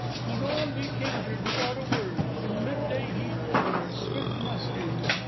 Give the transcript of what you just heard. And on we cantered, without a word, in the mid day heat, on our swift mustangs.